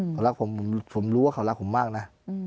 เขารักผมผมรู้ว่าเขารักผมมากนะ